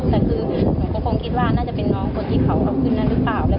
แต่คือหนูก็คงคิดว่าน่าจะเป็นน้องคนที่เขาเอาขึ้นนั่นหรือเปล่า